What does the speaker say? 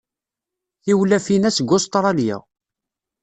Tiwlafin-a seg Ustṛalya.